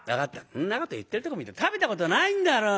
そんなこと言ってるとこ見ると食べたことないんだろう？